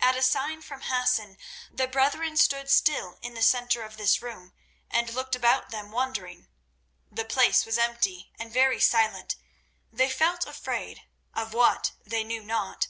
At a sign from Hassan the brethren stood still in the centre of this room, and looked about them wondering. The place was empty and very silent; they felt afraid—of what they knew not.